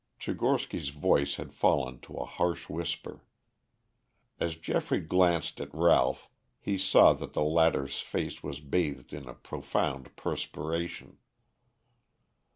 Tchigorsky's voice had fallen to a harsh whisper. As Geoffrey glanced at Ralph he saw that the latter's face was bathed in a profound perspiration.